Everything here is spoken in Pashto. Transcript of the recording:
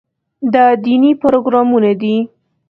دا دیني پروګرامونه دي.